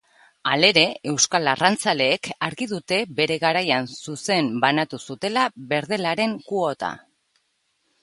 Halere, euskal arrantzaleek argi dute bere garaian zuzen banatu zutela berdelaren kuota.